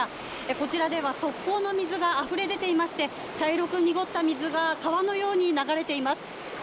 こちらでは、側溝の水があふれ出ていまして、茶色く濁った水が川のように流れています。